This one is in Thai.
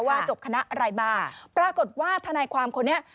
จบคณะอะไรมาปรากฏว่าทนายความคนนี้